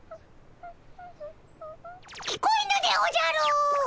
聞こえぬでおじゃる！